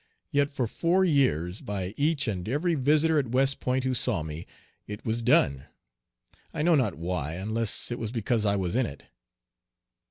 Yet for four years, by each and every visitor at West Point who saw me, it was done. I know not why, unless it was because I was in it.